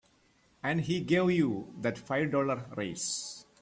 And he gave you that five dollar raise.